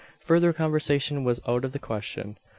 Further conversation was out of the question.